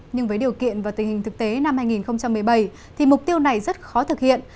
nhưng với điều kiện và tình hình thực tế năm hai nghìn một mươi bảy thì mục tiêu này rất khó thực hiện